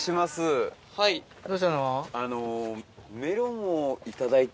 はい。